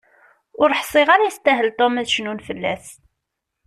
Ur ḥsiɣ ara yestahel Tom ad cnun fell-as.